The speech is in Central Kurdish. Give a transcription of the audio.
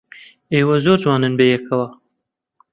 ئێوە زۆر جوانن بەیەکەوە.